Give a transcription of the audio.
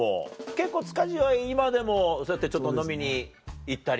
結構塚地は今でもそうやってちょっと飲みに行ったりとか？